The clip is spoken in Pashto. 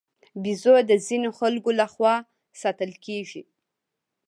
بیزو د ځینو خلکو له خوا ساتل کېږي.